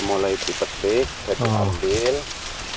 mulai dipetik jadi hal ini